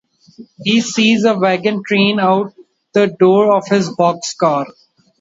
He sees a wagon train out the door of his boxcar.